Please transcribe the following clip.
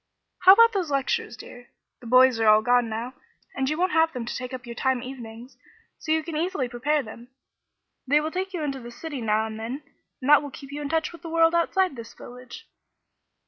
"How about those lectures, dear? The 'boys' are all gone now, and you won't have them to take up your time evenings, so you can easily prepare them. They will take you into the city now and then, and that will keep you in touch with the world outside this village."